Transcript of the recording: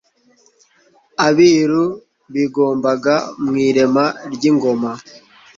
abiru bigombaga mu irema ry'ingoma,